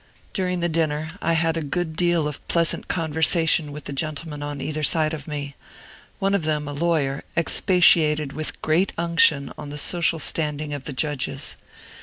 During the dinner, I had a good deal of pleasant conversation with the gentlemen on either side of me. One of them, a lawyer, expatiated with great unction on the social standing of the judges.